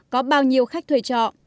có bao nhiêu khách thuê trọ